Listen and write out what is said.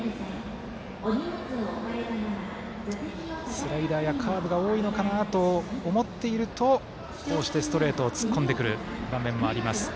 スライダーやカーブが多いのかなと思っているとこうしてストレートを突っ込んでくる場面もあります。